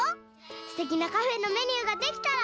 すてきなカフェのメニューができたら。